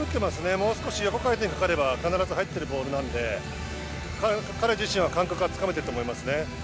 もう少し横回転がかかれば必ず入ってるボールなので彼自身は感覚はつかめていると思いますね。